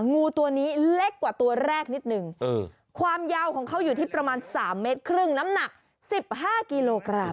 งูตัวนี้เล็กกว่าตัวแรกนิดหนึ่งความยาวของเขาอยู่ที่ประมาณสามเมตรครึ่งน้ำหนักสิบห้ากิโลกรัม